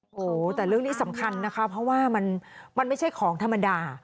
โอ้โหแต่เรื่องนี้สำคัญนะคะเพราะว่ามันไม่ใช่ของธรรมดา